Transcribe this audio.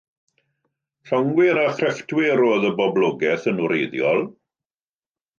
Llongwyr a chrefftwyr oedd y boblogaeth, yn wreiddiol.